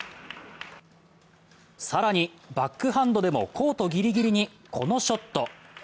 更に、バックハンドでもコートぎりぎりにこのショット。